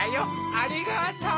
ありがとう！